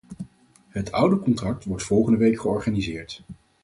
Het oudercontact wordt volgende week georganiseerd.